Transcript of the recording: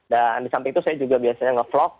dan di samping itu saya juga biasanya nge vlog